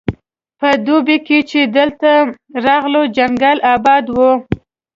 په دوبي کې چې کله دلته راغلو ځنګل اباد وو.